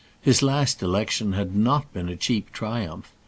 His last election had not been a cheap triumph.